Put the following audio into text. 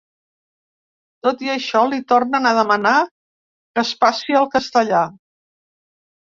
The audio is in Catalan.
Tot i això, li tornen a demanar que es passi al castellà.